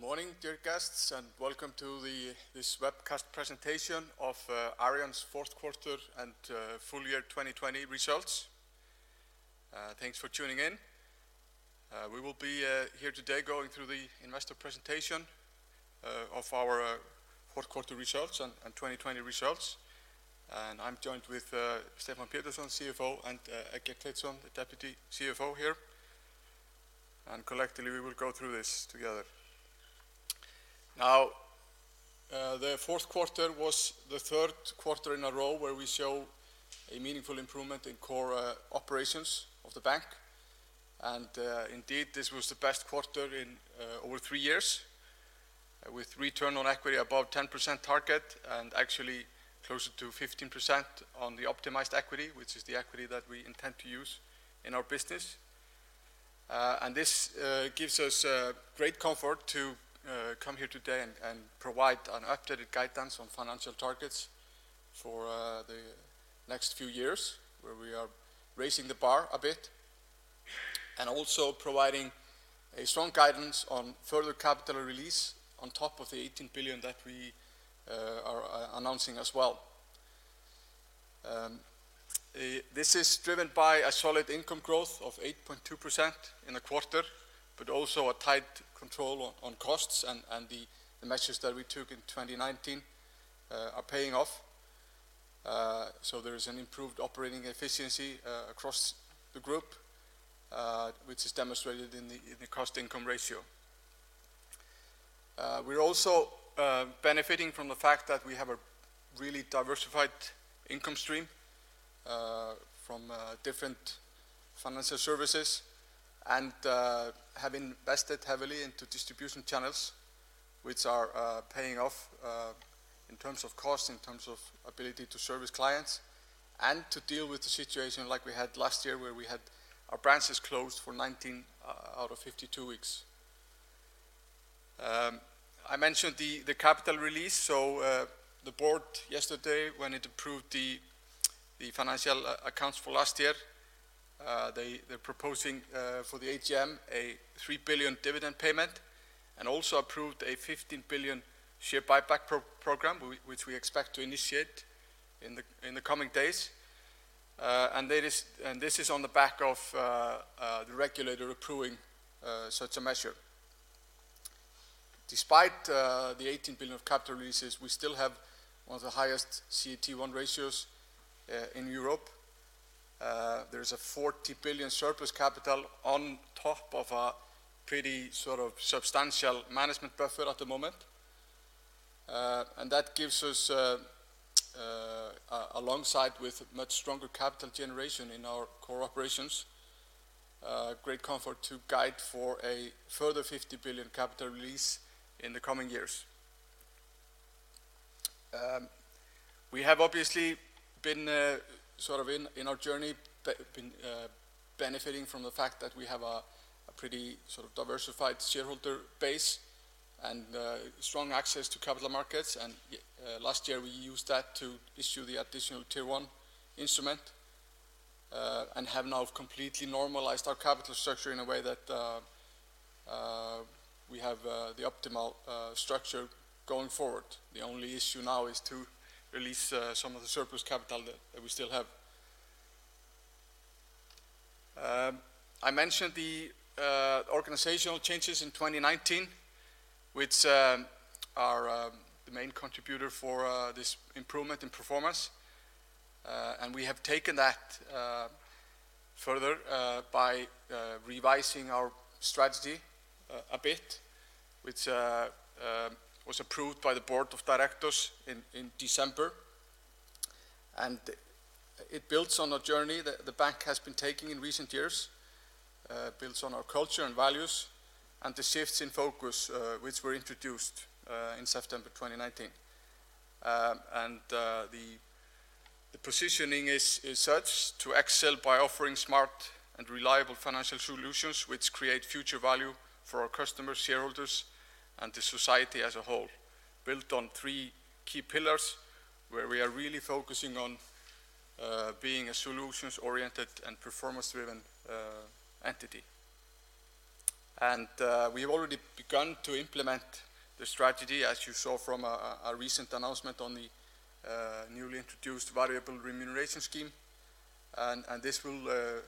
Good morning, dear guests, and welcome to this webcast presentation of Arion's fourth quarter and full year 2020 results. Thanks for tuning in. We will be here today going through the investor presentation of our fourth quarter results and 2020 results. I'm joined with Stefán Pétursson, CFO, and Eggert Teitsson, the Deputy CFO here, and collectively, we will go through this together. Now, the fourth quarter was the third quarter in a row where we show a meaningful improvement in core operations of the bank. Indeed, this was the best quarter in over three years, with return on equity above 10% target and actually closer to 15% on the optimized equity, which is the equity that we intend to use in our business. This gives us great comfort to come here today and provide an updated guidance on financial targets for the next few years, where we are raising the bar a bit and also providing a strong guidance on further capital release on top of the 18 billion that we are announcing as well. This is driven by a solid income growth of 8.2% in the quarter, but also a tight control on costs and the measures that we took in 2019 are paying off. There is an improved operating efficiency across the group, which is demonstrated in the cost-income ratio. We are also benefiting from the fact that we have a really diversified income stream from different financial services and have invested heavily into distribution channels which are paying off in terms of cost, in terms of ability to service clients and to deal with the situation like we had last year, where we had our branches closed for 19 out of 52 weeks. I mentioned the capital release. The board yesterday, when it approved the financial accounts for last year, they're proposing for the AGM an 3 billion dividend payment and also approved an 15 billion share buyback program, which we expect to initiate in the coming days. This is on the back of the regulator approving such a measure. Despite the 18 billion of capital releases, we still have one of the highest CET1 ratios in Europe. There is a 40 billion surplus capital on top of a pretty substantial management buffer at the moment. That gives us, alongside with much stronger capital generation in our core operations, great comfort to guide for a further 50 billion capital release in the coming years. We have obviously been, in our journey, benefiting from the fact that we have a pretty diversified shareholder base and strong access to capital markets. Last year, we used that to issue the additional Tier 1 instrument and have now completely normalized our capital structure in a way that we have the optimal structure going forward. The only issue now is to release some of the surplus capital that we still have. I mentioned the organizational changes in 2019, which are the main contributor for this improvement in performance. We have taken that further by revising our strategy a bit, which was approved by the board of directors in December. It builds on a journey that the bank has been taking in recent years, builds on our culture and values and the shifts in focus which were introduced in September 2019. The positioning is such to excel by offering smart and reliable financial solutions which create future value for our customers, shareholders, and the society as a whole, built on three key pillars, where we are really focusing on being a solutions-oriented and performance-driven entity. We have already begun to implement the strategy, as you saw from our recent announcement on the newly introduced variable remuneration scheme, and this will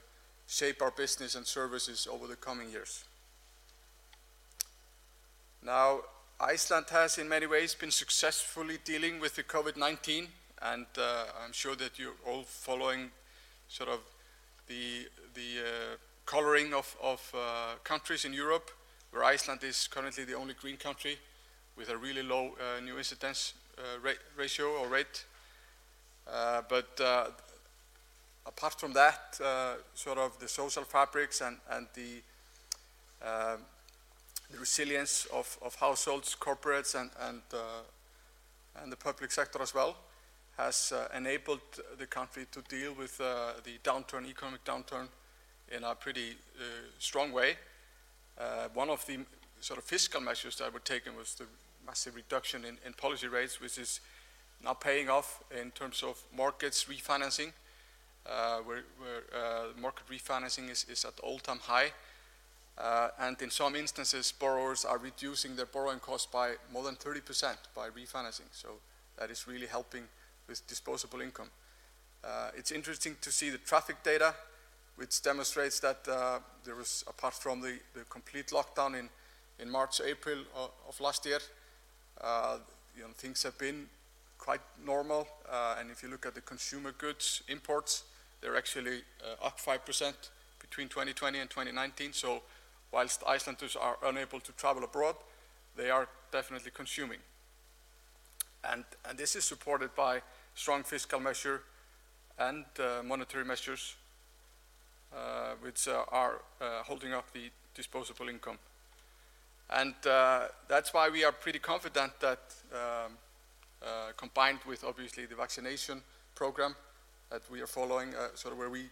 shape our business and services over the coming years. Iceland has, in many ways, been successfully dealing with the COVID-19, and I'm sure that you're all following the coloring of countries in Europe, where Iceland is currently the only green country with a really low new incidence ratio or rate. Apart from that, the social fabrics and the resilience of households, corporates, and the public sector as well, has enabled the country to deal with the economic downturn in a pretty strong way. One of the fiscal measures that were taken was the massive reduction in policy rates, which is now paying off in terms of market refinancing is at all-time high. In some instances, borrowers are reducing their borrowing costs by more than 30% by refinancing. That is really helping with disposable income. It's interesting to see the traffic data, which demonstrates that there is, apart from the complete lockdown in March, April of last year, things have been quite normal. If you look at the consumer goods imports, they're actually up 5% between 2020 and 2019. Whilst Icelanders are unable to travel abroad, they are definitely consuming. This is supported by strong fiscal measure and monetary measures, which are holding up the disposable income. That's why we are pretty confident that, combined with obviously the vaccination program that we are following, sort of where we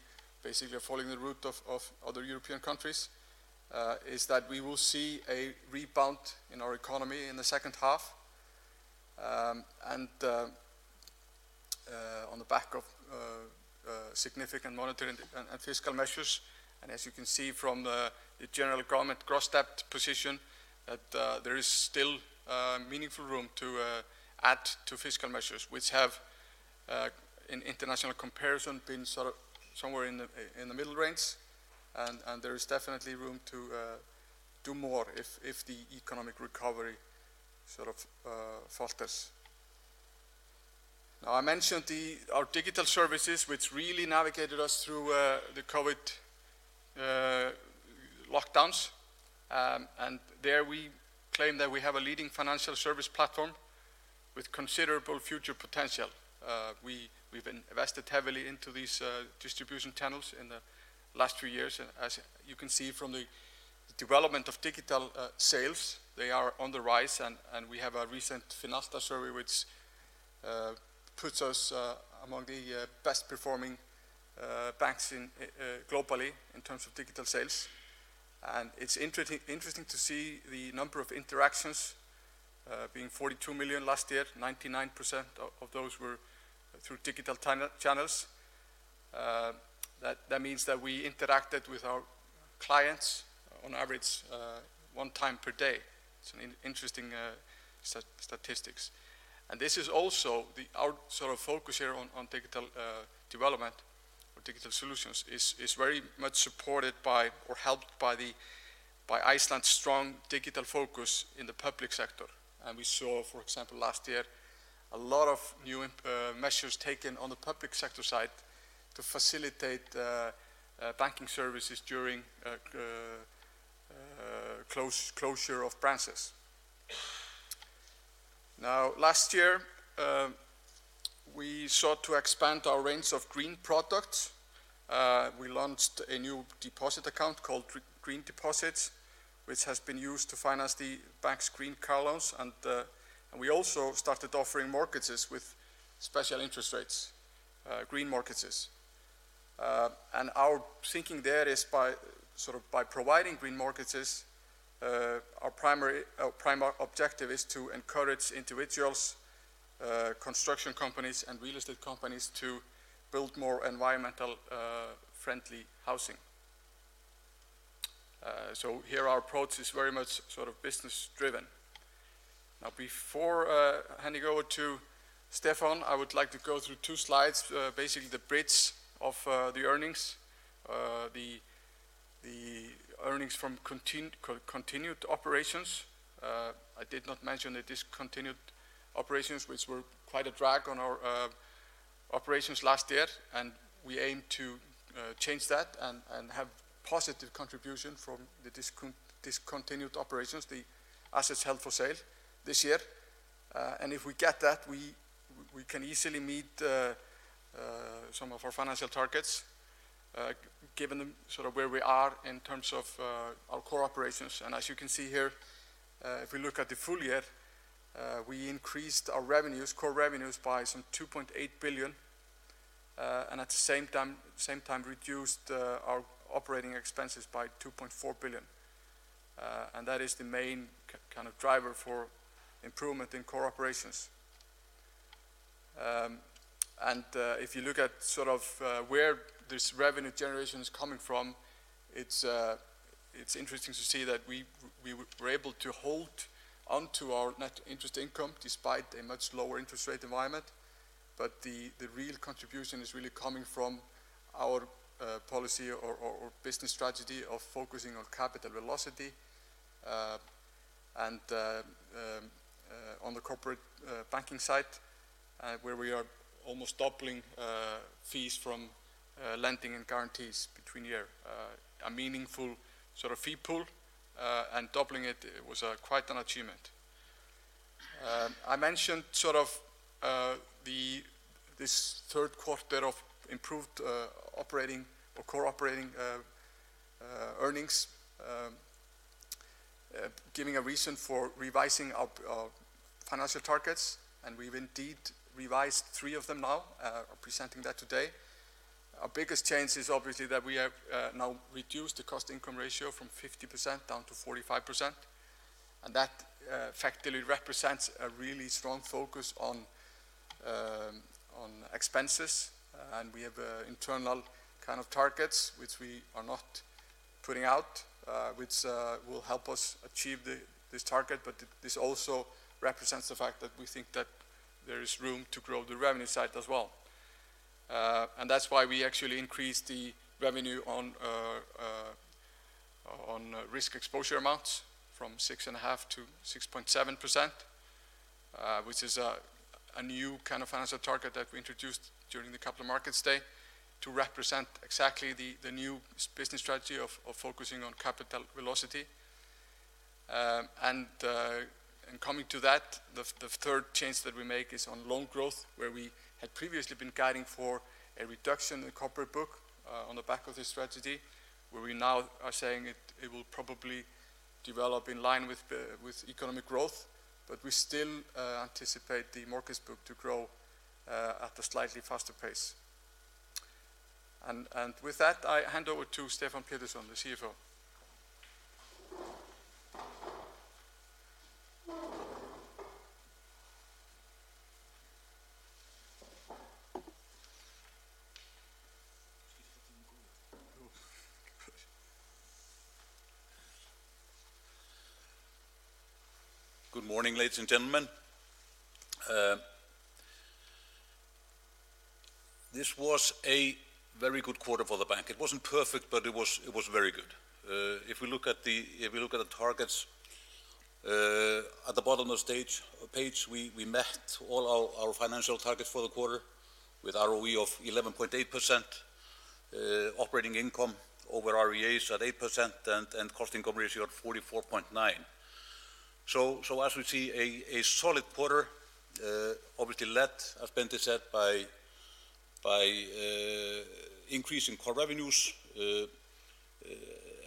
basically are following the route of other European countries, is that we will see a rebound in our economy in the second half. On the back of significant monetary and fiscal measures, and as you can see from the general government gross debt position, that there is still meaningful room to add to fiscal measures, which have, in international comparison, been somewhere in the middle range. There is definitely room to do more if the economic recovery falters. Now I mentioned our digital services, which really navigated us through the COVID-19 lockdowns. There we claim that we have a leading financial service platform with considerable future potential. We've invested heavily into these distribution channels in the last few years, and as you can see from the development of digital sales, they are on the rise, and we have a recent Finalta survey, which puts us among the best performing banks globally in terms of digital sales. It's interesting to see the number of interactions being 42 million last year, 99% of those were through digital channels. That means that we interacted with our clients on average one time per day. It's an interesting statistics. This is also our focus here on digital development or digital solutions is very much supported by or helped by Iceland's strong digital focus in the public sector. We saw, for example, last year, a lot of new measures taken on the public sector side to facilitate banking services during closure of branches. Now last year, we sought to expand our range of green products. We launched a new deposit account called Green Deposits, which has been used to finance the bank's green car loans, and we also started offering mortgages with special interest rates, green mortgages. Our thinking there is by providing green mortgages, our prime objective is to encourage individuals, construction companies, and real estate companies to build more environmental friendly housing. Here our approach is very much business driven. Now before handing over to Stefán, I would like to go through two slides, basically the bridge of the earnings. The earnings from continued operations. I did not mention the discontinued operations, which were quite a drag on our operations last year, and we aim to change that and have positive contribution from the discontinued operations, the assets held for sale this year. If we get that, we can easily meet some of our financial targets, given where we are in terms of our core operations. As you can see here, if we look at the full year, we increased our core revenues by some 2.8 billion, and at the same time reduced our operating expenses by 2.4 billion. That is the main driver for improvement in core operations. If you look at where this revenue generation is coming from, it's interesting to see that we were able to hold onto our net interest income despite a much lower interest rate environment. The real contribution is really coming from our policy or business strategy of focusing on capital velocity, and on the corporate banking side, where we are almost doubling fees from lending and guarantees between year, a meaningful fee pool. Doubling it was quite an achievement. I mentioned this third quarter of improved core operating earnings, giving a reason for revising our financial targets, and we've indeed revised three of them now, are presenting that today. Our biggest change is obviously that we have now reduced the cost income ratio from 50% down to 45%. That effectively represents a really strong focus on expenses. We have internal targets, which we are not putting out, which will help us achieve this target. This also represents the fact that we think that there is room to grow the revenue side as well. That's why we actually increased the revenue on risk exposure amounts from 6.5%-6.7%, which is a new kind of financial target that we introduced during the capital markets day to represent exactly the new business strategy of focusing on capital velocity. Coming to that, the third change that we make is on loan growth, where we had previously been guiding for a reduction in the corporate book on the back of this strategy, where we now are saying it will probably develop in line with economic growth. We still anticipate the mortgage book to grow at a slightly faster pace. With that, I hand over to Stefán Pétursson, the CFO. Good morning, ladies and gentlemen. This was a very good quarter for the bank. It wasn't perfect, but it was very good. If we look at the targets at the bottom of the page, we met all our financial targets for the quarter with ROE of 11.8%, operating income over REA is at 8%, and cost income ratio at 44.9%. As we see, a solid quarter, obviously led, as Benedikt said, by increasing core revenues,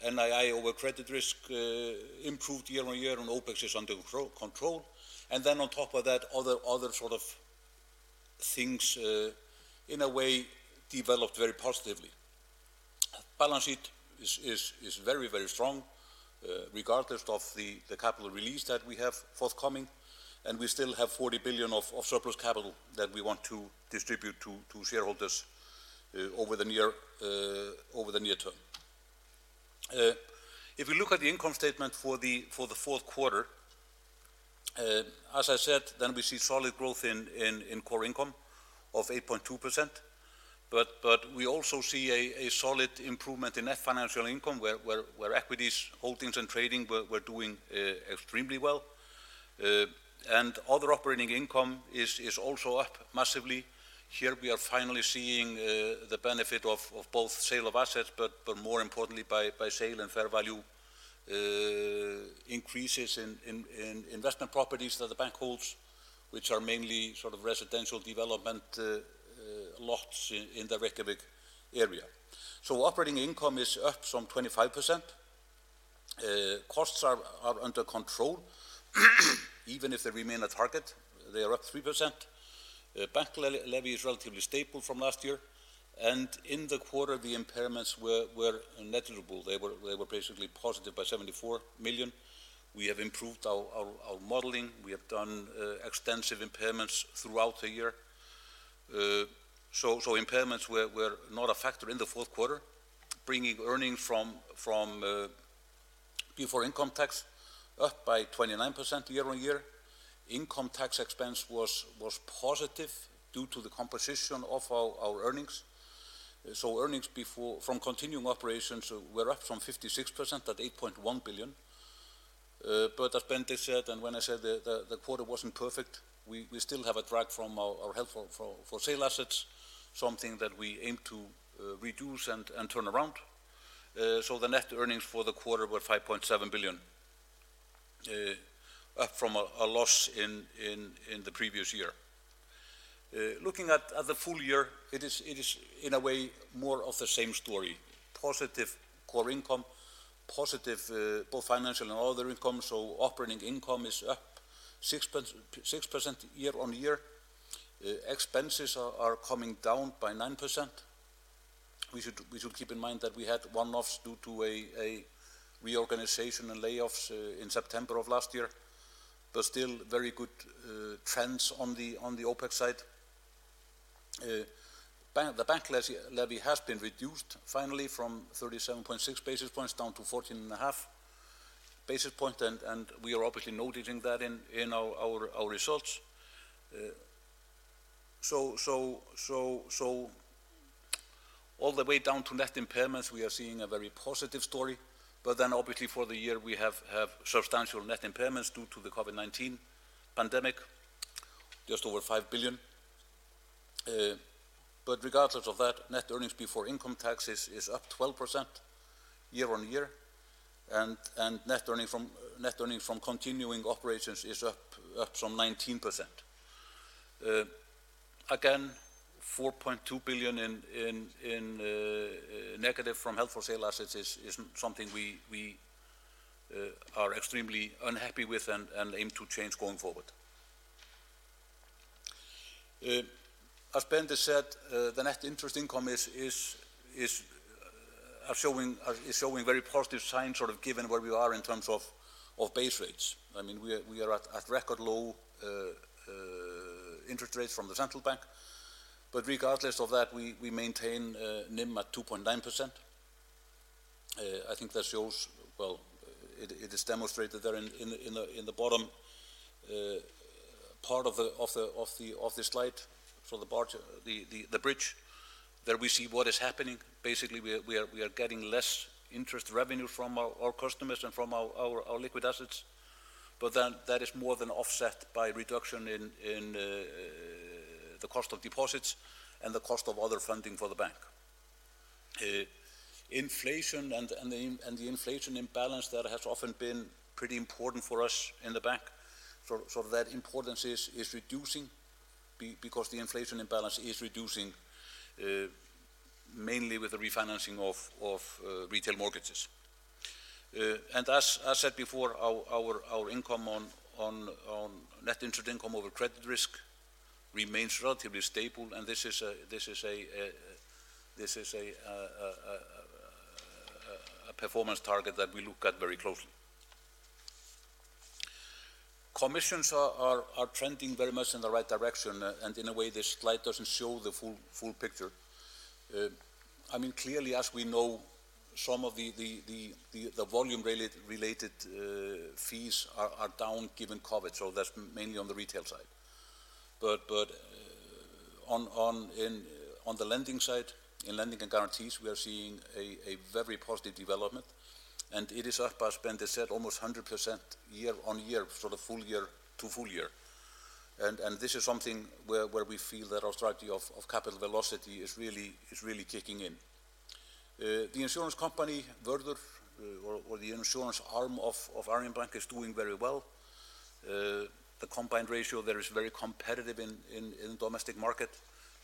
NII over credit risk improved year-on-year, and OpEx is under control. On top of that, other sort of things, in a way, developed very positively. Balance sheet is very strong regardless of the capital release that we have forthcoming, and we still have 40 billion of surplus capital that we want to distribute to shareholders over the near term. If we look at the income statement for the fourth quarter, as I said, we see solid growth in core income of 8.2%. We also see a solid improvement in net financial income where equities, holdings, and trading were doing extremely well. Other operating income is also up massively. Here we are finally seeing the benefit of both sale of assets, but more importantly, by sale and fair value increases in investment properties that the bank holds, which are mainly sort of residential development lots in the Reykjavik area. Operating income is up some 25%. Costs are under control. Even if they remain at target, they are up 3%. Bank levy is relatively stable from last year. In the quarter, the impairments were negligible. They were basically positive by 74 million. We have improved our modeling. We have done extensive impairments throughout the year. Impairments were not a factor in the fourth quarter, bringing earnings from before income tax up by 29% year-on-year. Income tax expense was positive due to the composition of our earnings. Earnings from continuing operations were up from 56% at 8.1 billion. As Benedikt said, and when I said the quarter wasn't perfect, we still have a drag from our held for sale assets, something that we aim to reduce and turn around. The net earnings for the quarter were 5.7 billion, up from a loss in the previous year. Looking at the full year, it is in a way more of the same story. Positive core income, positive both financial and other income, so operating income is up 6% year-on-year. Expenses are coming down by 9%. We should keep in mind that we had one-offs due to a reorganization and layoffs in September of last year, but still very good trends on the OpEx side. The bank levy has been reduced finally from 37.6 basis points down to 14.5 basis points, and we are obviously noticing that in our results. All the way down to net impairments, we are seeing a very positive story. Obviously for the year, we have substantial net impairments due to the COVID-19 pandemic, just over 5 billion. Regardless of that, net earnings before income taxes is up 12% year-over-year, and net earning from continuing operations is up some 19%. 4.2 billion in negative from held for sale assets is something we are extremely unhappy with and aim to change going forward. As Benedikt said, the net interest income is showing very positive signs, given where we are in terms of base rates. We are at record low interest rates from the Central Bank. Regardless of that, we maintain NIM at 2.9%. I think that it is demonstrated there in the bottom part of the slide for the bridge. There we see what is happening. Basically, we are getting less interest revenue from our customers and from our liquid assets, but then that is more than offset by a reduction in the cost of deposits and the cost of other funding for the bank. Inflation and the inflation imbalance there has often been pretty important for us in the bank. That importance is reducing because the inflation imbalance is reducing, mainly with the refinancing of retail mortgages. As I said before, our net interest income over credit risk remains relatively stable, and this is a performance target that we look at very closely. Commissions are trending very much in the right direction, and in a way, this slide doesn't show the full picture. Clearly, as we know, some of the volume-related fees are down given COVID, so that's mainly on the retail side. On the lending side, in lending and guarantees, we are seeing a very positive development, and it is up, as Benedikt said, almost 100% year-over-year for the full year to full year. This is something where we feel that our strategy of capital velocity is really kicking in. The insurance company, Vörður, or the insurance arm of Arion Bank, is doing very well. The combined ratio there is very competitive in domestic market,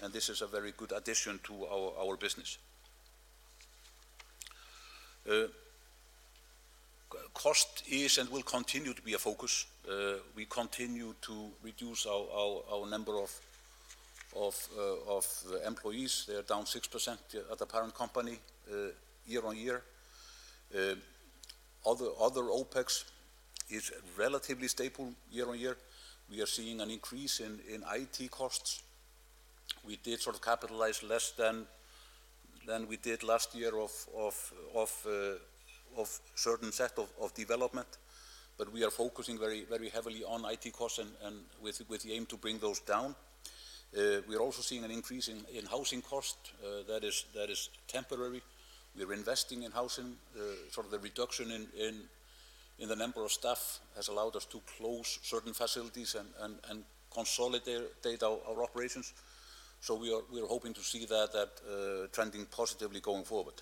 and this is a very good addition to our business. Cost is and will continue to be a focus. We continue to reduce our number of employees. They are down 6% at the parent company year-on-year. Other OpEx is relatively stable year-on-year. We are seeing an increase in IT costs. We did capitalize less than we did last year of certain set of development, but we are focusing very heavily on IT costs and with the aim to bring those down. We are also seeing an increase in housing cost. That is temporary. We are investing in housing. The reduction in the number of staff has allowed us to close certain facilities and consolidate our operations. We are hoping to see that trending positively going forward.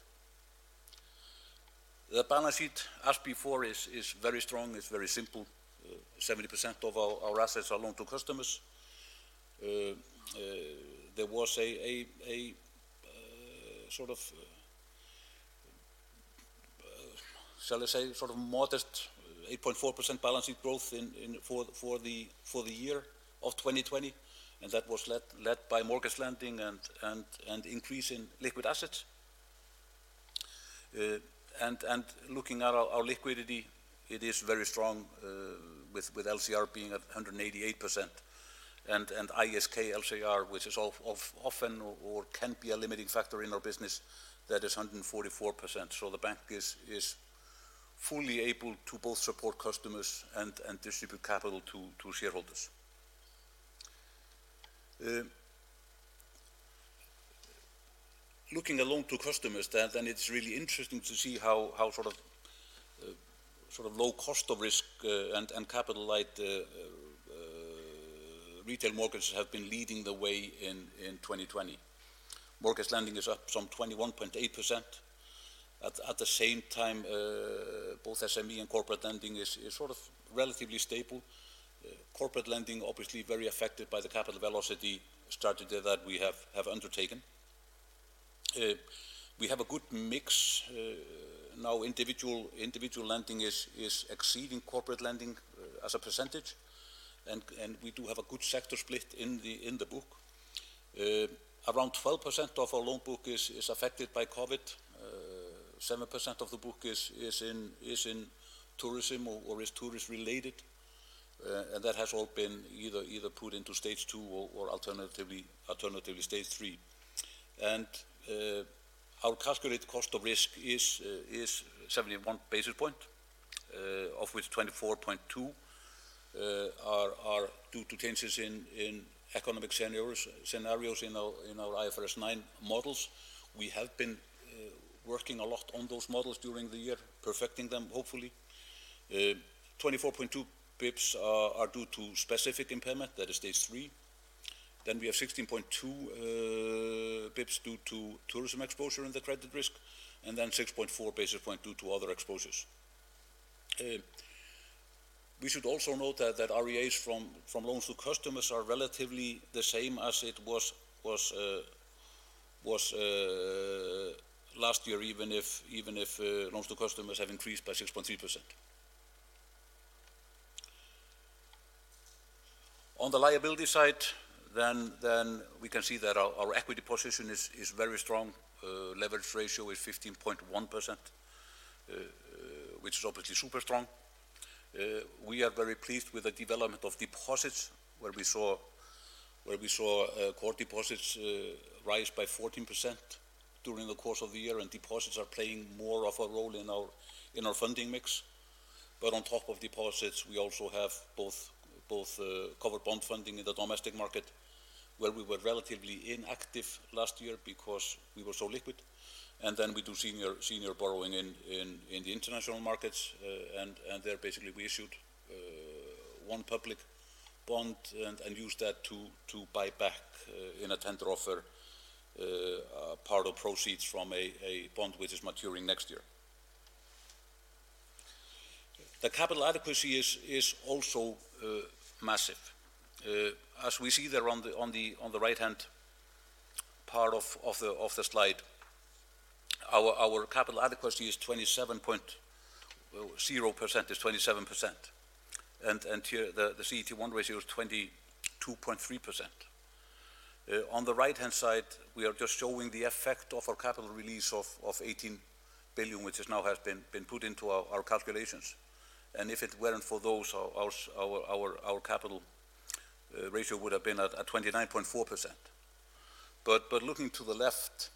The balance sheet, as before, is very strong. It's very simple. 70% of our assets are loaned to customers. There was a modest 8.4% balance sheet growth for the year of 2020, and that was led by mortgage lending and increase in liquid assets. Looking at our liquidity, it is very strong, with LCR being at 188%, and LCR ISK, which is often or can be a limiting factor in our business, that is 144%. The bank is fully able to both support customers and distribute capital to shareholders. Looking at loans to customers, it's really interesting to see how low cost of risk and capital light retail mortgages have been leading the way in 2020. Mortgage lending is up some 21.8%. At the same time, both SME and corporate lending is relatively stable. Corporate lending, obviously very affected by the capital velocity strategy that we have undertaken. We have a good mix. Now individual lending is exceeding corporate lending as a percentage, and we do have a good sector split in the book. Around 12% of our loan book is affected by COVID. 7% of the book is in tourism or is tourist related, and that has all been either put into Stage 2 or alternatively, Stage 3. Our calculated cost of risk is 71 basis point, of which 24.2 are due to changes in economic scenarios in our IFRS 9 models. We have been working a lot on those models during the year, perfecting them, hopefully. 24.2 basis points are due to specific impairment, that is Stage 3. We have 16.2 basis points due to tourism exposure in the credit risk, and then 6.4 basis point due to other exposures. We should also note that REAs from loans to customers are relatively the same as it was last year, even if loans to customers have increased by 6.3%. On the liability side, we can see that our equity position is very strong. Leverage ratio is 15.1%, which is obviously super strong. We are very pleased with the development of deposits, where we saw core deposits rise by 14% during the course of the year, and deposits are playing more of a role in our funding mix. On top of deposits, we also have both covered bond funding in the domestic market, where we were relatively inactive last year because we were so liquid. We do senior borrowing in the international markets, there basically we issued one public bond and used that to buy back in a tender offer part of the proceeds from a bond which is maturing next year. The capital adequacy is also massive. As we see there on the right-hand part of the slide, our capital adequacy is 27.0%, is 27%. Here, the CET1 ratio is 22.3%. On the right-hand side, we are just showing the effect of our capital release of 18 billion, which now has been put into our calculations. If it weren't for those, our capital ratio would have been at 29.4%. Looking to the left,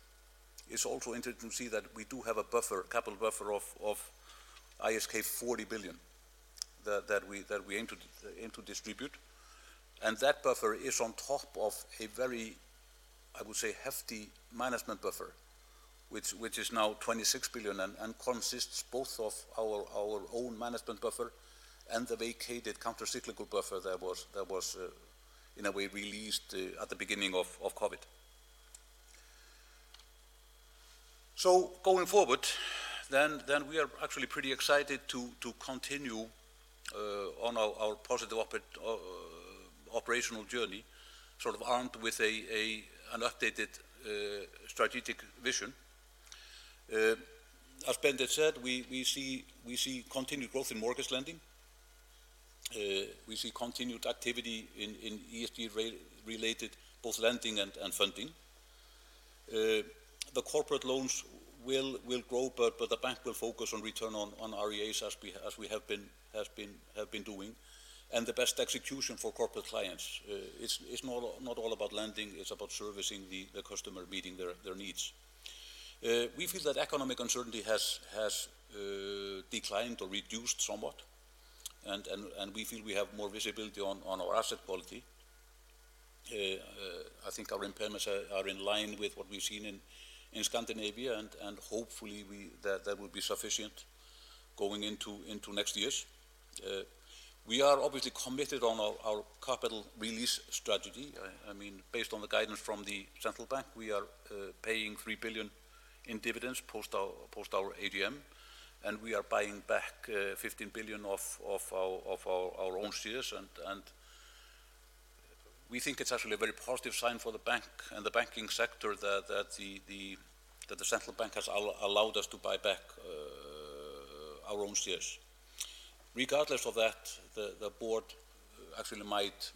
it's also interesting to see that we do have a capital buffer of ISK 40 billion that we aim to distribute. That buffer is on top of a very, I would say, hefty management buffer, which is now 26 billion and consists both of our own management buffer and the vacated countercyclical buffer that was, in a way, released at the beginning of COVID. Going forward, we are actually pretty excited to continue on our positive operational journey, armed with an updated strategic vision. As Benedikt said, we see continued growth in mortgage lending. We see continued activity in ESG-related both lending and funding. The corporate loans will grow, but the bank will focus on return on REAs as we have been doing and the best execution for corporate clients. It's not all about lending, it's about servicing the customer, meeting their needs. We feel that economic uncertainty has declined or reduced somewhat, and we feel we have more visibility on our asset quality. I think our impairments are in line with what we've seen in Scandinavia, and hopefully that will be sufficient going into next years. We are obviously committed on our capital release strategy. Based on the guidance from the Central Bank, we are paying 3 billion in dividends post our AGM. We are buying back 15 billion of our own shares. We think it's actually a very positive sign for the bank and the banking sector that the Central Bank has allowed us to buy back our own shares. Regardless of that, the board actually might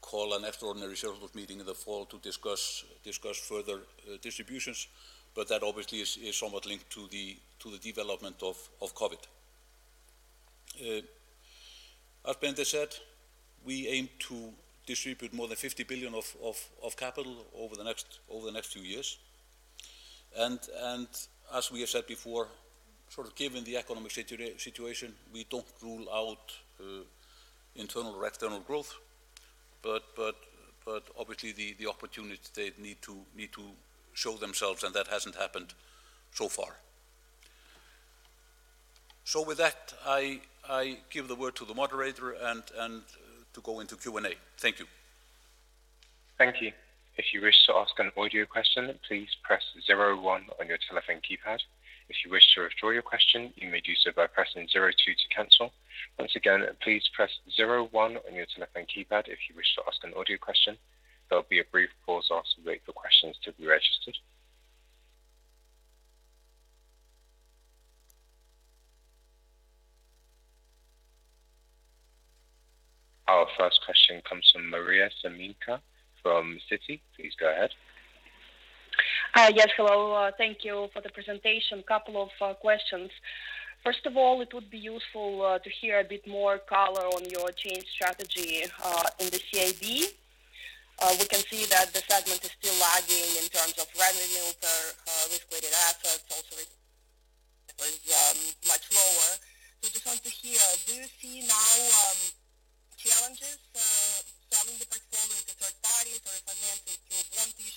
call an extraordinary shareholders meeting in the fall to discuss further distributions, but that obviously is somewhat linked to the development of COVID. As Benedikt said, we aim to distribute more than 50 billion of capital over the next few years. As we have said before, given the economic situation, we don't rule out internal or external growth. Obviously the opportunities, they need to show themselves, and that hasn't happened so far. With that, I give the word to the moderator to go into Q&A. Thank you. Thank you. If you wish to ask an audio question, please press zero one on your telephone keypad. If you wish to restore your question, you may do so by pressing zero two to cancel. Once again, please press zero one on your telephone keypad if you wish to ask an audio question. There will be a brief pause after that for your questions to be registered. Our first question comes from Maria Semikhatova from Citi. Please go ahead. Yes, hello. Thank you for the presentation. Couple of questions. First of all, it would be useful to hear a bit more color on your change strategy in the CIB. We can see that the segment is still lagging in terms of revenues or risk-weighted assets, also is much lower. I just want to hear, do you see now challenges selling the portfolio to third parties or financing through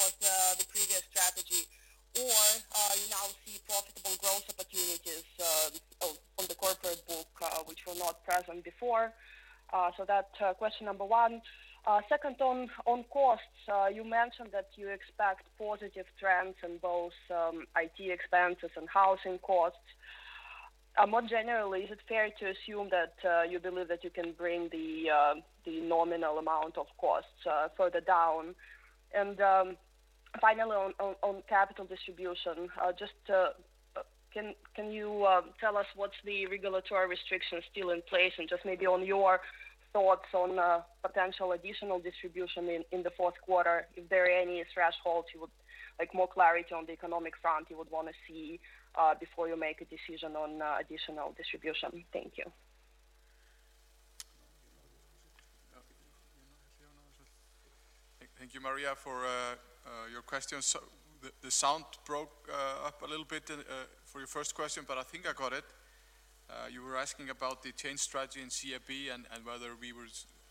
bond issuance, which was the previous strategy? You now see profitable growth opportunities on the corporate book, which were not present before? That's question number one. Second on costs, you mentioned that you expect positive trends in both IT expenses and housing costs. Is it fair to assume that you believe that you can bring the nominal amount of costs further down? Finally, on capital distribution, just can you tell us what the regulatory restrictions still in place and just maybe on your thoughts on potential additional distribution in the fourth quarter? Is there any threshold, like more clarity on the economic front, you would want to see before you make a decision on additional distribution? Thank you. Thank you, Maria, for your question. The sound broke up a little bit for your first question, but I think I got it. You were asking about the change strategy in CIB and whether we were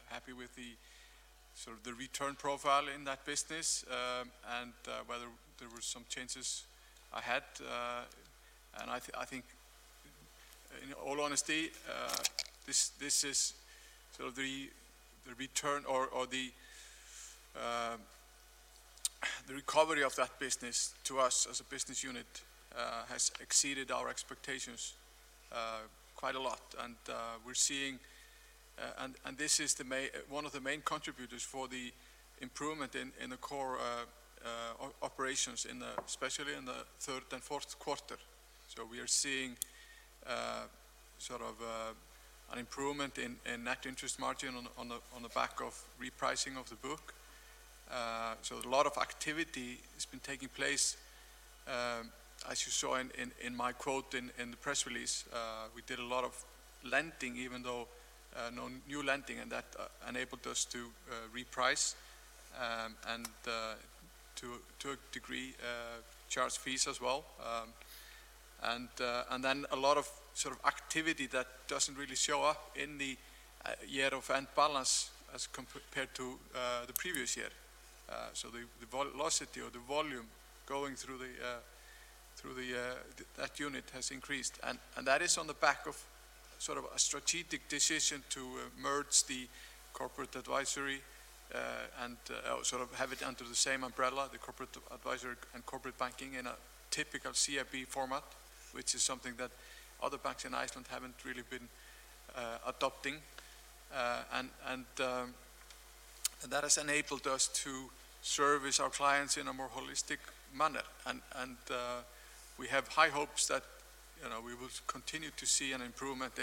happy with the return profile in that business, and whether there were some changes ahead. I think, in all honesty, the return or the recovery of that business to us as a business unit has exceeded our expectations quite a lot. This is one of the main contributors for the improvement in the core operations, especially in the third and fourth quarter. We are seeing an improvement in net interest margin on the back of repricing of the book. A lot of activity has been taking place. As you saw in my quote in the press release, we did a lot of lending, even though new lending, and that enabled us to reprice, and to a degree, charge fees as well. A lot of activity that doesn't really show up in the year of end balance as compared to the previous year. The velocity or the volume going through that unit has increased, and that is on the back of a strategic decision to merge the corporate advisory and have it under the same umbrella, the corporate advisor and corporate banking in a typical CIB format, which is something that other banks in Iceland haven't really been adopting. That has enabled us to service our clients in a more holistic manner. We have high hopes that we will continue to see an improvement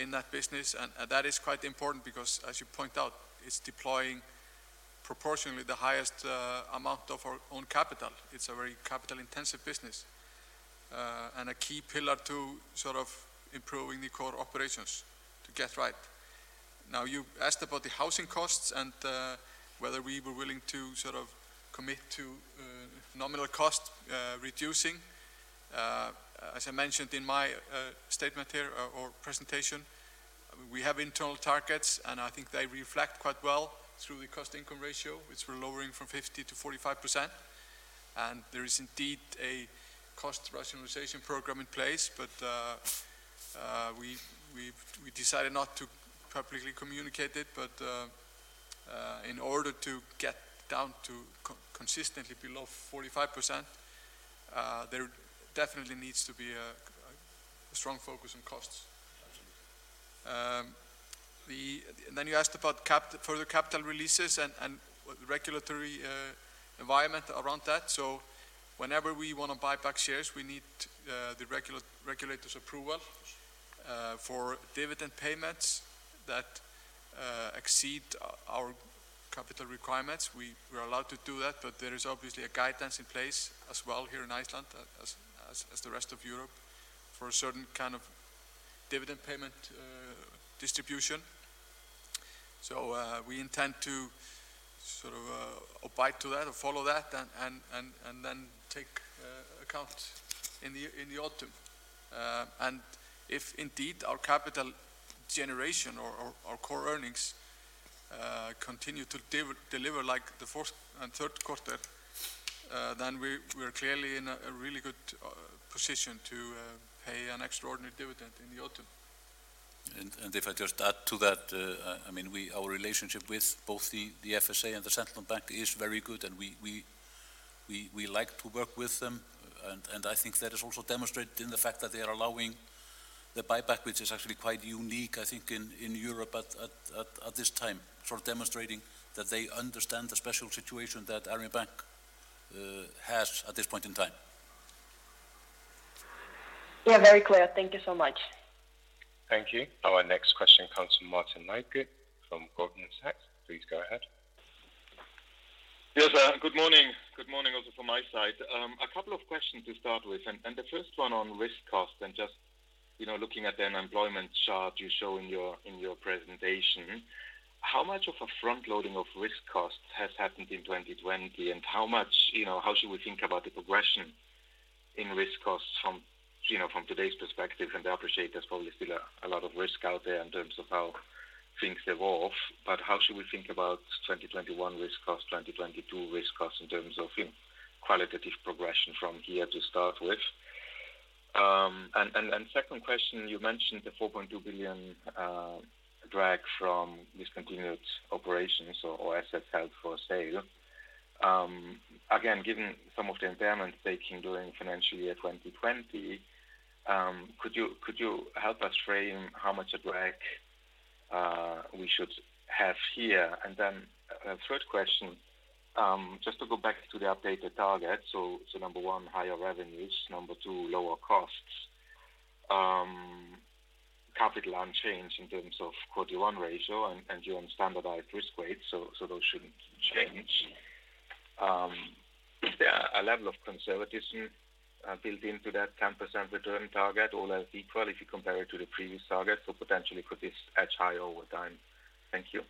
in that business. That is quite important because, as you point out, it's deploying proportionately the highest amount of our own capital. It's a very capital-intensive business, and a key pillar to improving the core operations to get right. You asked about the housing costs and whether we were willing to commit to nominal cost reducing. As I mentioned in my statement here or presentation, we have internal targets, and I think they reflect quite well through the cost-income ratio, which we're lowering from 50%-45%. There is indeed a cost rationalization program in place. We decided not to publicly communicate it, but in order to get down to consistently below 45%, there definitely needs to be a strong focus on costs. Absolutely. You asked about further capital releases and regulatory environment around that. Whenever we want to buy back shares, we need the regulator's approval. For dividend payments that exceed our capital requirements, we are allowed to do that, but there is obviously a guidance in place as well here in Iceland, as the rest of Europe, for a certain kind of dividend payment distribution. We intend to abide to that or follow that and then take account in the autumn. If indeed our capital generation or our core earnings continue to deliver like the first and third quarter, then we are clearly in a really good position to pay an extraordinary dividend in the autumn. If I just add to that, our relationship with both the FSA and the Central Bank is very good, and we like to work with them. I think that is also demonstrated in the fact that they are allowing the buyback, which is actually quite unique, I think, in Europe at this time, demonstrating that they understand the special situation that Arion Bank has at this point in time. Yeah, very clear. Thank you so much. Thank you. Our next question comes from [Marten Bille] from Goldman Sachs. Please go ahead. Yes, good morning. Good morning also from my side. A couple of questions to start with, and the first one on risk cost and just looking at the unemployment chart you show in your presentation. How much of a front-loading of risk costs has happened in 2020, and how should we think about the progression in risk costs from today's perspective? I appreciate there's probably still a lot of risk out there in terms of how things evolve, but how should we think about 2021 risk cost, 2022 risk cost in terms of qualitative progression from here to start with? Second question, you mentioned the 4.2 billion drag from discontinued operations or assets held for sale. Again, given some of the impairments taken during financial year 2020, could you help us frame how much a drag we should have here. Third question, just to go back to the updated target. Number one, higher revenues, number two, lower costs. Capital unchanged in terms of [CET1] ratio and your standardized risk weight. Those shouldn't change. Is there a level of conservatism built into that 10% return target, all else equal, if you compare it to the previous target? Potentially could this edge higher over time? Thank you.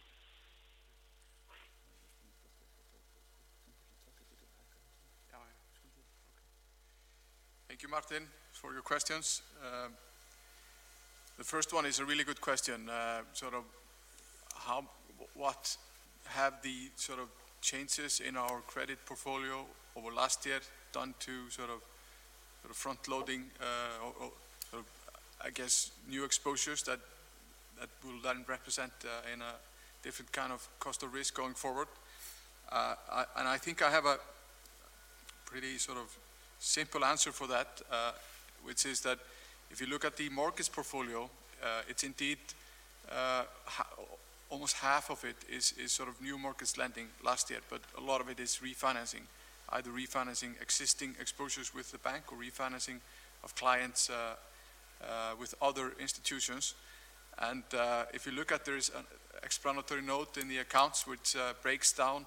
Thank you, Marten, for your questions. The first one is a really good question. What have the changes in our credit portfolio over last year done to front loading, or new exposures that will then represent in a different kind of cost of risk going forward? I think I have a pretty simple answer for that, which is that if you look at the [mortgage] portfolio, it's indeed almost half of it is new mortages lending last year. A lot of it is refinancing, either refinancing existing exposures with the bank or refinancing of clients with other institutions. If you look at, there is an explanatory note in the accounts which breaks down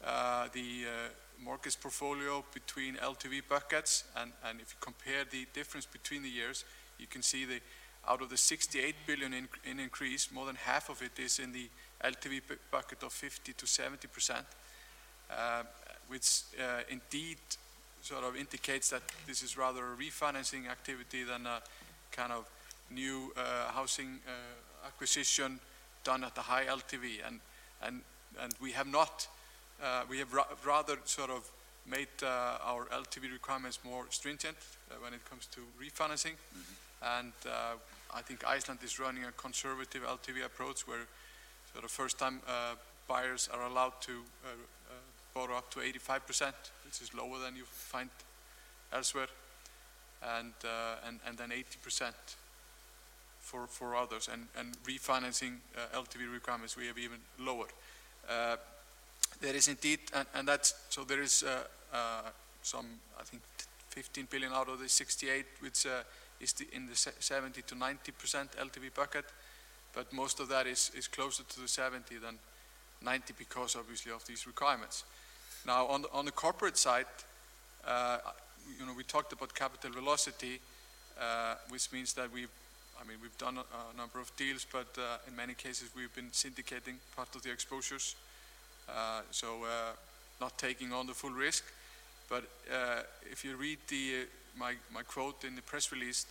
the [mortgage] portfolio between LTV buckets. If you compare the difference between the years, you can see that out of the 68 billion in increase, more than half of it is in the LTV bucket of 50%-70%, which indeed indicates that this is rather a refinancing activity than a new housing acquisition done at the high LTV. We have rather made our LTV requirements more stringent when it comes to refinancing. I think Iceland is running a conservative LTV approach where first time buyers are allowed to borrow up to 85%, which is lower than you find elsewhere. 80% for others. Refinancing LTV requirements, we have even lower. There is some, I think 15 billion out of the 68 billion, which is in the 70%-90% LTV bucket, but most of that is closer to the 70% than 90% because obviously of these requirements. On the corporate side, we talked about capital velocity, which means that we've done a number of deals, but in many cases we've been syndicating part of the exposures, so not taking on the full risk. If you read my quote in the press release,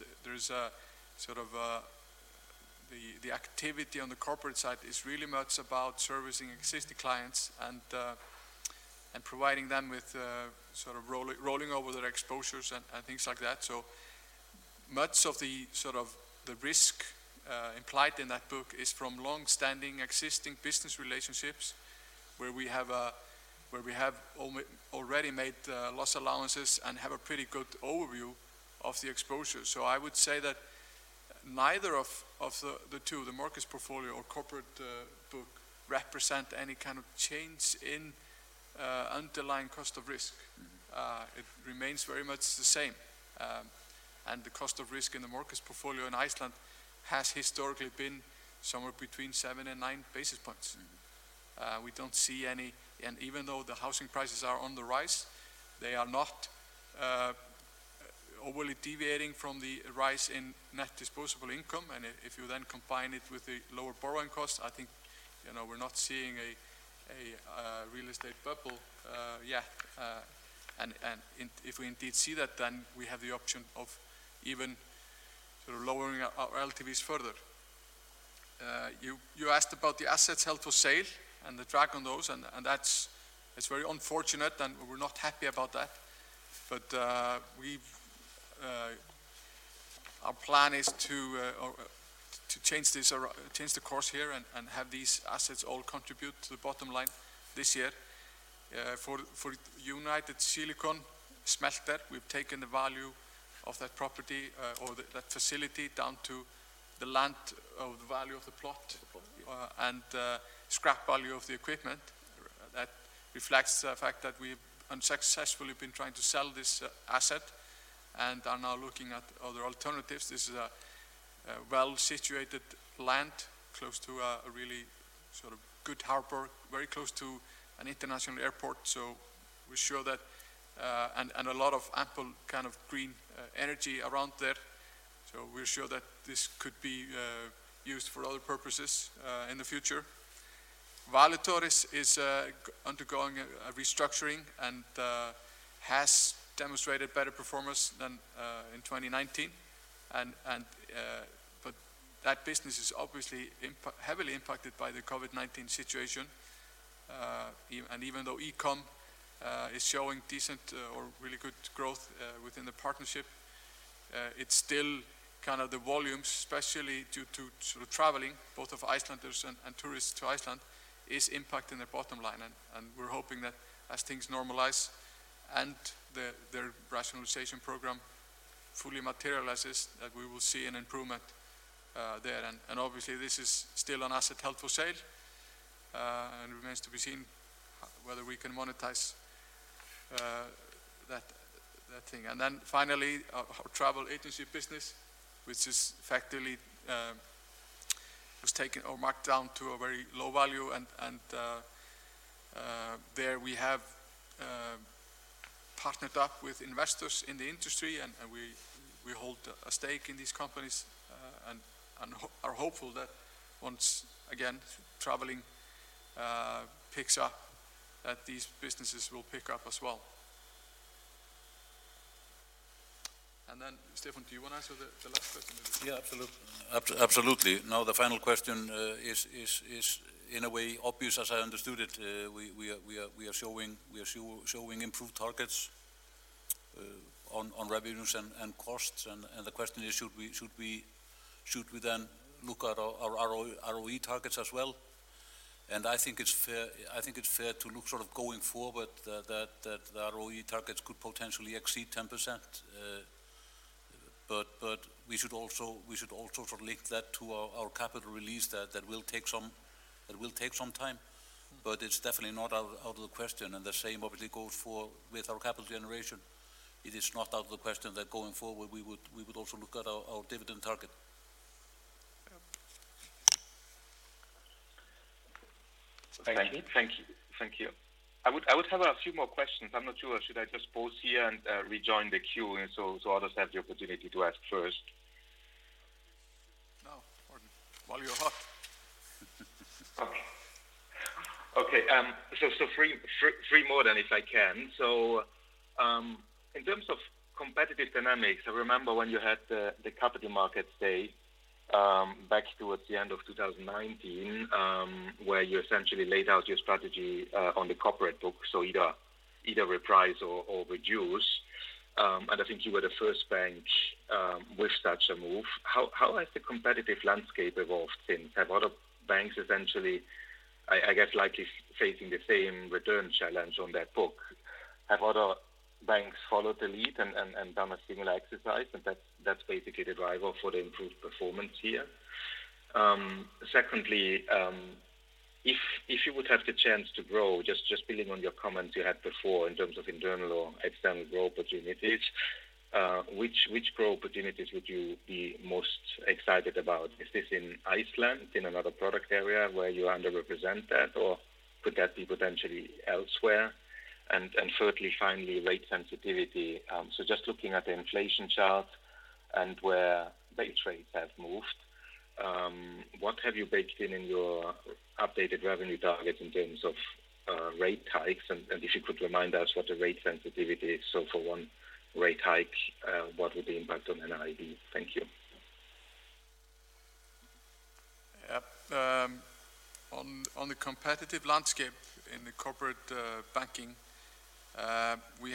the activity on the corporate side is really much about servicing existing clients and providing them with rolling over their exposures and things like that. Much of the risk implied in that book is from longstanding existing business relationships where we have already made loss allowances and have a pretty good overview of the exposure. I would say that neither of the two, the markets portfolio or corporate book, represent any kind of change in underlying cost of risk. It remains very much the same. The cost of risk in the mortgage portfolio in Iceland has historically been somewhere between 7 and 9 basis points. We don't see any, and even though the housing prices are on the rise, they are not overly deviating from the rise in net disposable income. If you then combine it with the lower borrowing costs, I think we're not seeing a real estate bubble yet. If we indeed see that, then we have the option of even lowering our LTVs further. You asked about the assets held for sale and the drag on those, and that's very unfortunate, and we're not happy about that. Our plan is to change the course here and have these assets all contribute to the bottom line this year. For United Silicon smelter, we've taken the value of that property or that facility down to the land of the value of the plot. The plot, yeah. And scrap value of the equipment. That reflects the fact that we've unsuccessfully been trying to sell this asset and are now looking at other alternatives. This is a well-situated land, close to a really good harbor, very close to an international airport, and a lot of ample green energy around there. We're sure that this could be used for other purposes in the future. Valitor is undergoing a restructuring and has demonstrated better performance than in 2019. That business is obviously heavily impacted by the COVID-19 situation. Even though e-com is showing decent or really good growth within the partnership, it's still kind of the volume, especially due to traveling, both of Icelanders and tourists to Iceland, is impacting the bottom line. We're hoping that as things normalize and their rationalization program fully materializes that we will see an improvement there. Obviously, this is still an asset held for sale, and remains to be seen whether we can monetize that thing. Finally, our travel agency business, which effectively was marked down to a very low value, and there we have partnered up with investors in the industry, and we hold a stake in these companies. Are hopeful that once, again, traveling picks up, that these businesses will pick up as well. Stefán, do you want to answer the last question maybe? Yeah, absolutely. The final question is in a way obvious, as I understood it. We are showing improved targets on revenues and costs. The question is, should we then look at our ROE targets as well? I think it's fair to look going forward that the ROE targets could potentially exceed 10%, but we should also link that to our capital release that will take some time, but it's definitely not out of the question. The same obviously goes with our capital generation. It is not out of the question that going forward, we would also look at our dividend target. Thank you. Thank you. I would have a few more questions. I'm not sure, should I just pause here and rejoin the queue so others have the opportunity to ask first? No, go on, while you're hot. Okay. Three more then, if I can. In terms of competitive dynamics, I remember when you had the capital markets day, back towards the end of 2019, where you essentially laid out your strategy on the corporate book. Either reprise or reduce. I think you were the first bank with such a move. How has the competitive landscape evolved since? Have other banks essentially, I guess, likely facing the same return challenge on that book? Have other banks followed the lead and done a similar exercise, and that's basically the driver for the improved performance here? Secondly, if you would have the chance to grow, just building on your comments you had before in terms of internal or external growth opportunities, which growth opportunities would you be most excited about? Is this in Iceland, in another product area where you under represent that, or could that be potentially elsewhere? Thirdly, finally, rate sensitivity. Just looking at the inflation chart and where base rates have moved, what have you baked in in your updated revenue targets in terms of rate hikes? If you could remind us what the rate sensitivity is. For one rate hike, what would the impact on NIM be? Thank you. On the competitive landscape in the corporate banking, we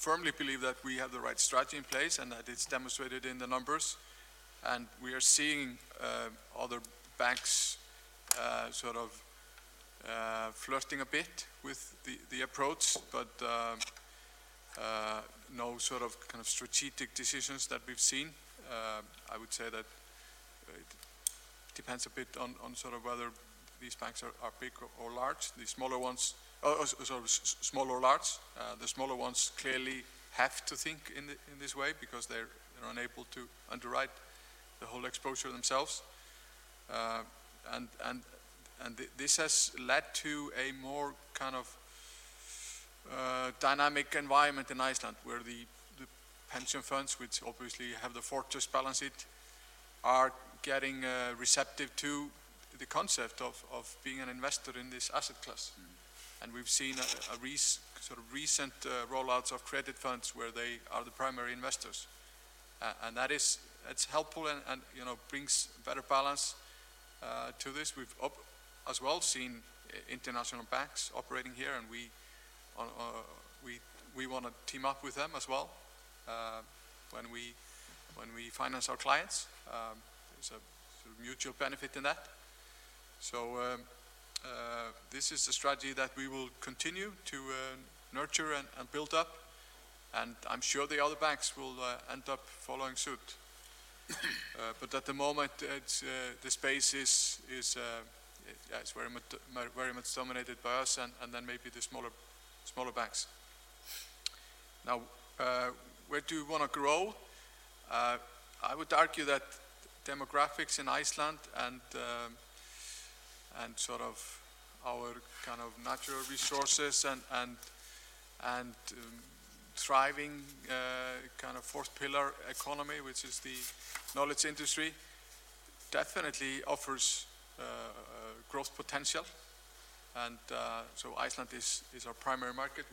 firmly believe that we have the right strategy in place and that it's demonstrated in the numbers. We are seeing other banks sort of flirting a bit with the approach, but no strategic decisions that we've seen. I would say that it depends a bit on whether these banks are small or large. The smaller ones clearly have to think in this way because they're unable to underwrite the whole exposure themselves. This has led to a more kind of dynamic environment in Iceland, where the pension funds, which obviously have the fortress balance sheet, are getting receptive to the concept of being an investor in this asset class. We've seen recent rollouts of credit funds where they are the primary investors. That's helpful and brings better balance to this. We've as well seen international banks operating here, and we want to team up with them as well when we finance our clients. There's a mutual benefit in that. This is the strategy that we will continue to nurture and build up, and I'm sure the other banks will end up following suit. At the moment, the space is very much dominated by us and then maybe the smaller banks. Where do we want to grow? I would argue that demographics in Iceland and our kind of natural resources and thriving fourth pillar economy, which is the knowledge industry, definitely offers growth potential. Iceland is our primary market.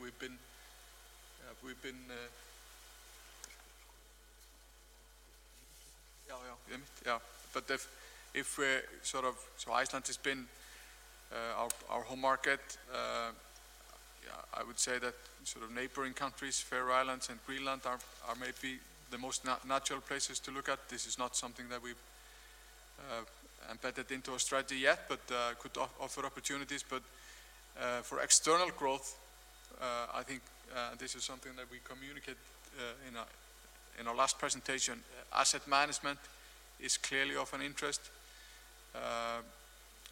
Iceland has been our home market. I would say that neighboring countries, Faroe Islands and Greenland, are maybe the most natural places to look at. This is not something that we embedded into our strategy yet, but could offer opportunities. For external growth, I think this is something that we communicate in our last presentation. Asset management is clearly of an interest.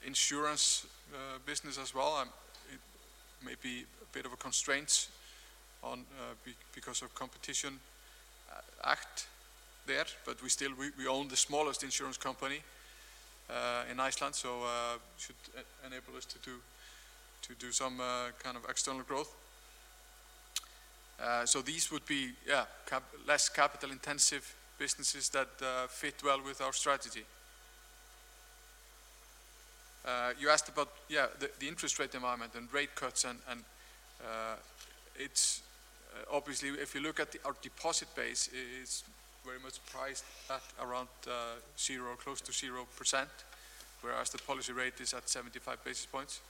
Insurance business as well, it may be a bit of a constraint because of Competition Act there, but we own the smallest insurance company in Iceland, so should enable us to do some kind of external growth. These would be less capital-intensive businesses that fit well with our strategy. You asked about the interest rate environment and rate cuts, obviously, if you look at our deposit base, it is very much priced at around close to 0%, whereas the policy rate is at 75 basis points.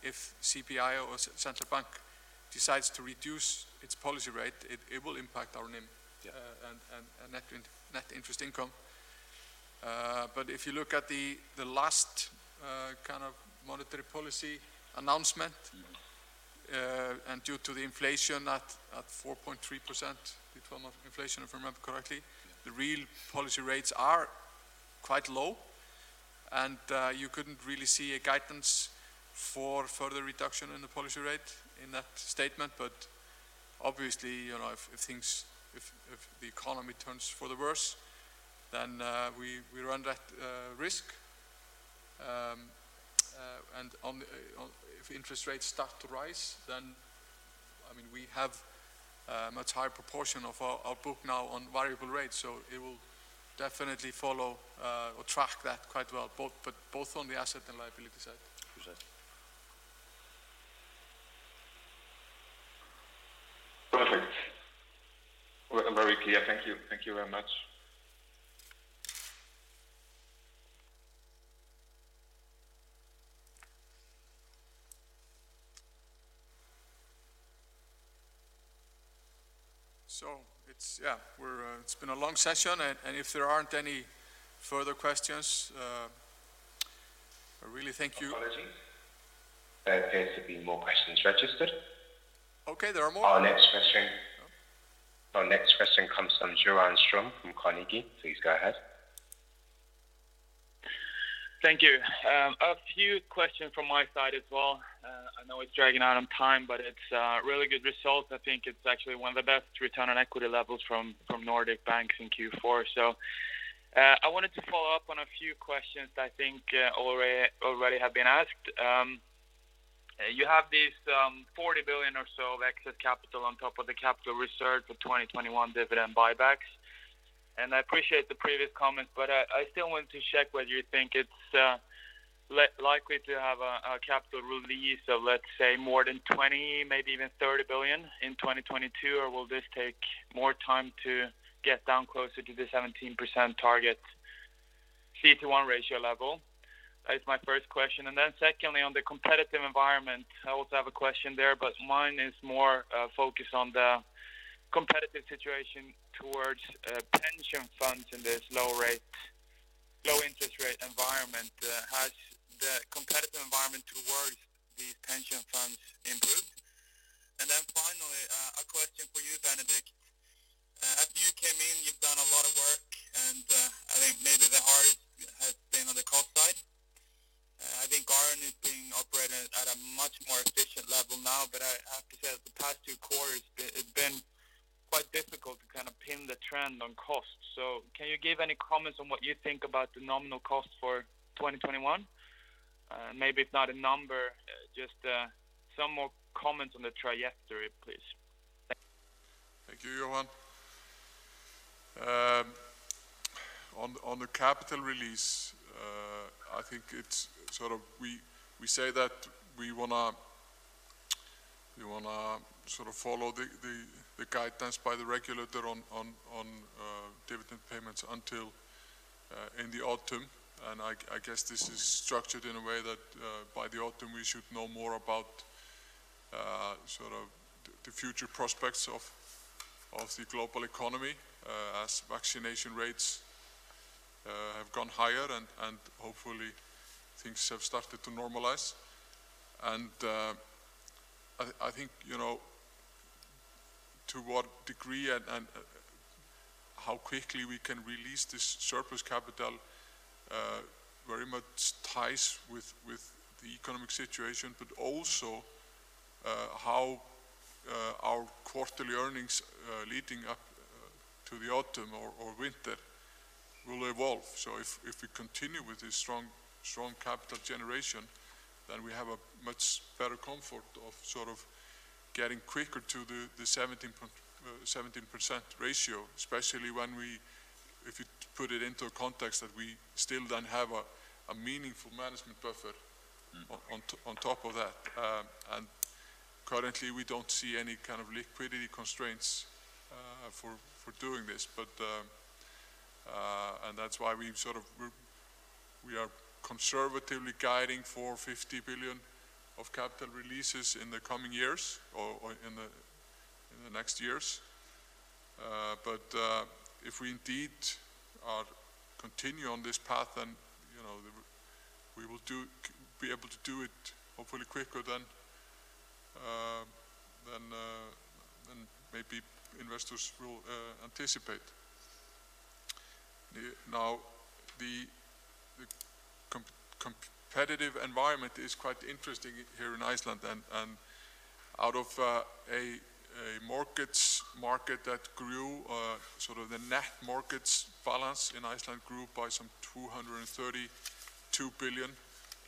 If CBI or Central Bank decides to reduce its policy rate, it will impact our net interest income. If you look at the last kind of monetary policy announcement, and due to the inflation at 4.3%, inflation, if I remember correctly, the real policy rates are quite low, and you couldn't really see a guidance for further reduction in the policy rate in that statement. Obviously, if the economy turns for the worse, then we run that risk. If interest rates start to rise, then we have a much higher proportion of our book now on variable rates, so it will definitely follow or track that quite well, both on the asset and liability side. Perfect. Very clear. Thank you. Thank you very much. It's been a long session, and if there aren't any further questions, I really thank you. Apologies. There appears to be more questions registered. Okay, there are more. Our next question comes from Johan Ström from Carnegie. Please go ahead. Thank you. A few questions from my side as well. I know it's dragging out on time, but it's a really good result. I think it's actually one of the best return on equity levels from Nordic banks in Q4. I wanted to follow up on a few questions that I think already have been asked. You have this 40 billion or so of excess capital on top of the capital reserve for 2021 dividend buybacks. I appreciate the previous comments, I still want to check whether you think it's likely to have a capital release of, let's say, more than 20 billion, maybe even 30 billion in 2022, or will this take more time to get down closer to the 17% target CET1 ratio level? That is my first question. Secondly, on the competitive environment, I also have a question there, but mine is more focused on the competitive situation towards pension funds in this low interest rate environment. Has the competitive environment towards these pension funds improved? Finally, a question for you, Benedikt. After you came in, you've done a lot of work, and I think maybe the hardest has been on the cost side. I think Arion is being operated at a much more efficient level now, but I have to say that the past two quarters, it has been quite difficult to kind of pin the trend on cost. Can you give any comments on what you think about the nominal cost for 2021? Maybe if not a number, just some more comments on the trajectory, please. Thank you. Thank you, Johan. On the capital release, I think we say that we want to follow the guidance by the regulator on dividend payments until in the autumn, I guess this is structured in a way that by the autumn, we should know more about the future prospects of the global economy as vaccination rates have gone higher and hopefully things have started to normalize. I think to what degree and how quickly we can release this surplus capital very much ties with the economic situation, but also how our quarterly earnings leading up to the autumn or winter will evolve. If we continue with this strong capital generation, then we have a much better comfort of getting quicker to the 17% ratio, especially if you put it into a context that we still don't have a meaningful management buffer on top of that. Currently, we don't see any kind of liquidity constraints for doing this. That's why we. We are conservatively guiding for 50 billion of capital releases in the coming years or in the next years. If we indeed continue on this path, we will be able to do it hopefully quicker than maybe investors will anticipate. The competitive environment is quite interesting here in Iceland, out of a [mortgage] market that grew, the net markets balance in Iceland grew by some 232 billion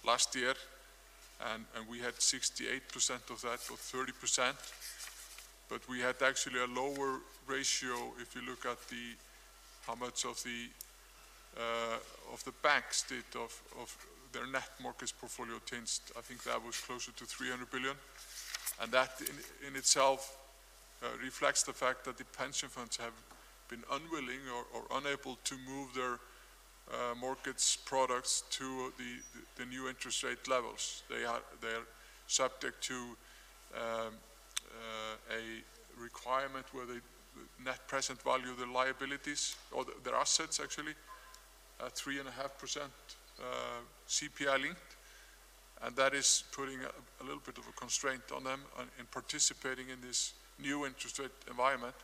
last year, we had 68% of that or 30%. We had actually a lower ratio if you look at how much of the banks did, of their net mortgage portfolio changed. I think that was closer to 300 billion. That in itself reflects the fact that the pension funds have been unwilling or unable to move their markets products to the new interest rate levels. They are subject to a requirement where they net present value the liabilities or their assets, actually, at 3.5% CPI linked, that is putting a little bit of a constraint on them in participating in this new interest rate environment.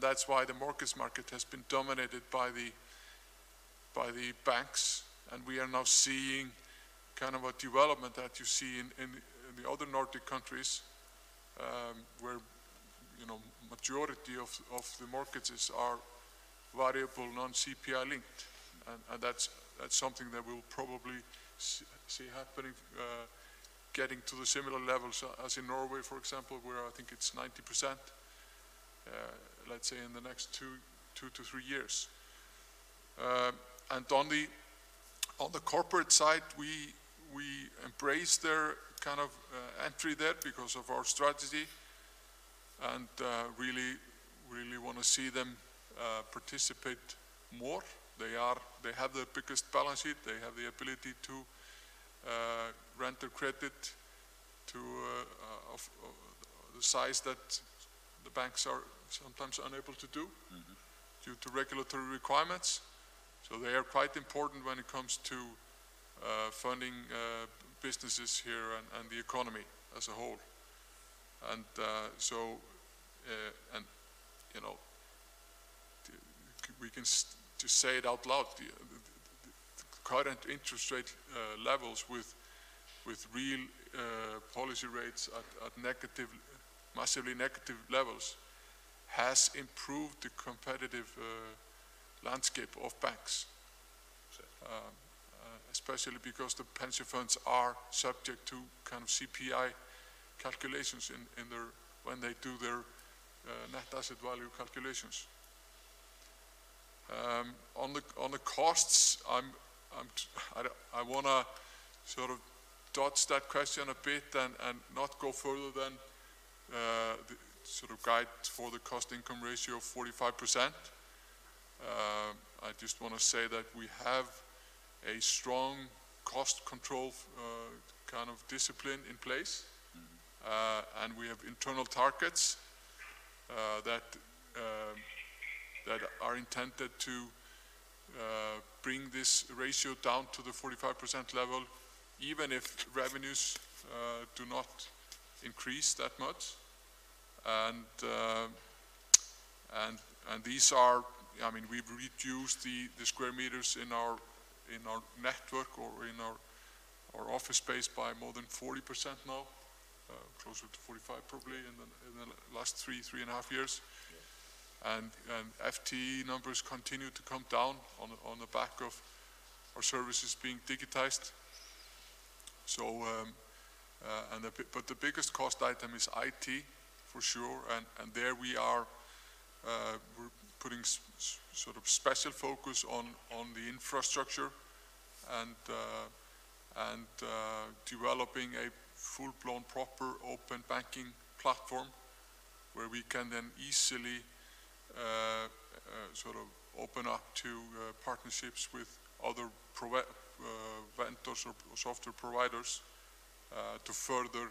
That's why the market has been dominated by the banks. We are now seeing a development that you see in the other Nordic countries, where majority of the mortgages are variable non-CPI linked. That's something that we'll probably see happening, getting to the similar levels as in Norway, for example, where I think it's 90%, let's say in the next two to three years. On the corporate side, we embrace their entry there because of our strategy and really want to see them participate more. They have the biggest balance sheet. They have the ability to render credit to the size that the banks are sometimes unable to do due to regulatory requirements. They are quite important when it comes to funding businesses here and the economy as a whole. We can just say it out loud, the current interest rate levels with real policy rates at massively negative levels has improved the competitive landscape of banks, especially because the pension funds are subject to CPI calculations when they do their net asset value calculations. On the costs, I want to sort of dodge that question a bit and not go further than the guide for the cost income ratio of 45%. I just want to say that we have a strong cost control discipline in place. We have internal targets that are intended to bring this ratio down to the 45% level, even if revenues do not increase that much. We've reduced the square meters in our network or in our office space by more than 40% now, closer to 45%, probably, in the last three and a half years. Yeah. FTE numbers continue to come down on the back of our services being digitized. The biggest cost item is IT, for sure, and there we're putting special focus on the infrastructure and developing a full-blown proper open banking platform where we can then easily open up to partnerships with other vendors or software providers to further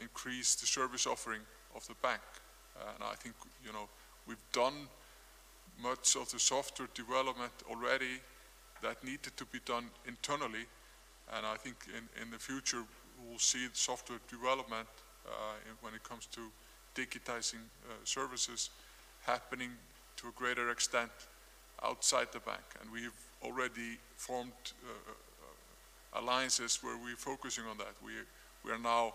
increase the service offering of the bank. I think we've done much of the software development already that needed to be done internally, and I think in the future, we will see software development, when it comes to digitizing services, happening to a greater extent outside the bank. We've already formed alliances where we're focusing on that. We are now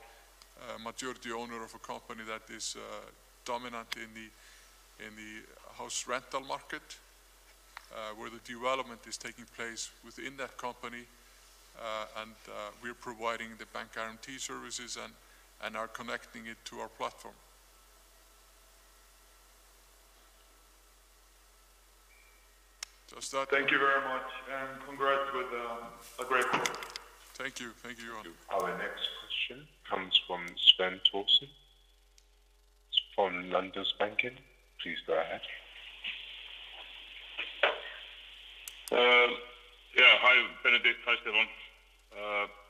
a majority owner of a company that is dominant in the house rental market, where the development is taking place within that company, and we are providing the bank guarantee services and are connecting it to our platform. Thank you very much, and congrats with a great quarter. Thank you. Thank you, Johan. Our next question comes from Sveinn Thorarinsson from Landsbankinn. Please go ahead. Hi, Benedikt. Hi, Stefán.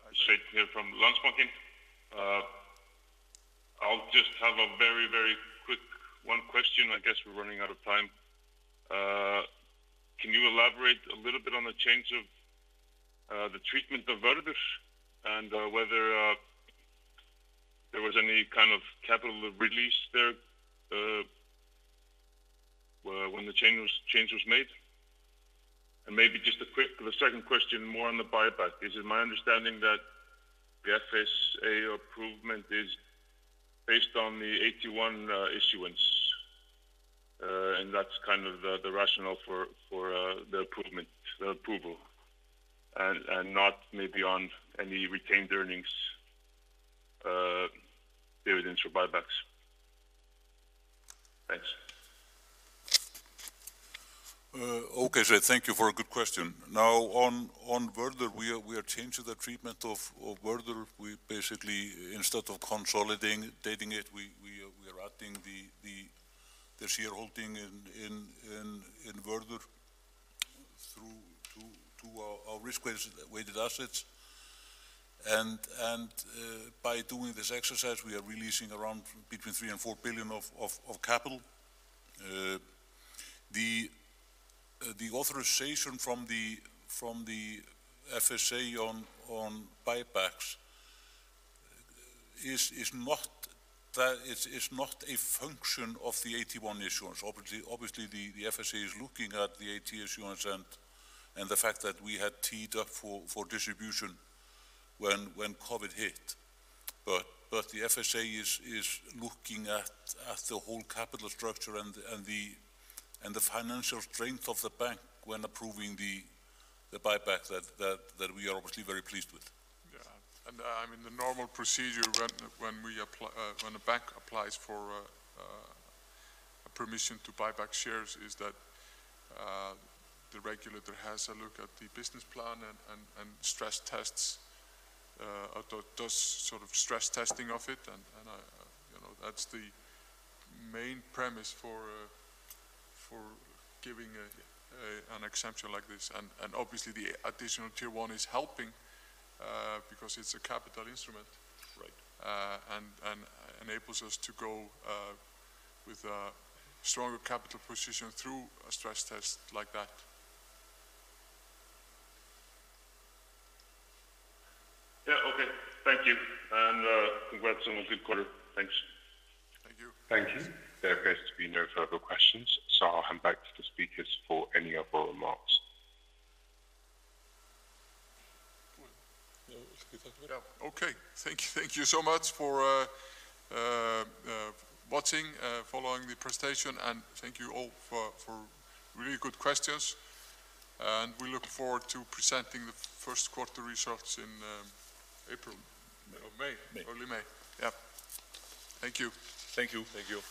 It's Sveinn here from Landsbankinn. I'll just have a very quick one question. I guess we're running out of time. Can you elaborate a little bit on the change of the treatment of Vörður and whether there was any kind of capital release there when the change was made? Maybe just a quick second question more on the buyback. Is it my understanding that the FSA approval is based on the AT1 issuance, and that's the rationale for the approval and not maybe on any retained earnings, dividends, or buybacks? Thanks. Okay, Sveinn, thank you for a good question. On Vörður, we are changing the treatment of Vörður. We basically, instead of consolidating it, we are adding the shareholding in Vörður to our risk-weighted assets. By doing this exercise, we are releasing around between 3 billion and 4 billion of capital. The authorization from the FSA on buybacks is not a function of the AT1 issuance. The FSA is looking at the AT1 issuance and the fact that we had teed up for distribution when COVID hit. The FSA is looking at the whole capital structure and the financial strength of the bank when approving the buyback that we are obviously very pleased with. Yeah. The normal procedure when a bank applies for permission to buy back shares is that the regulator has a look at the business plan and does stress testing of it. That's the main premise for giving an exemption like this. Obviously, the additional Tier 1 is helping because it's a capital instrument. Right. Enables us to go with a stronger capital position through a stress test like that. Yeah, okay. Thank you. Congrats on a good quarter. Thanks. Thank you. Thank you. There appears to be no further questions. I'll hand back to the speakers for any other remarks. Yeah, okay. Thank you so much for watching, following the presentation, and thank you all for really good questions. We look forward to presenting the first quarter results in April. May. May. Early May. Yeah. Thank you. Thank you. Thank you.